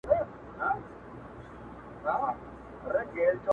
خو جمهوري او ولسواک ارزښتونه دي